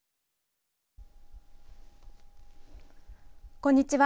こんにちは。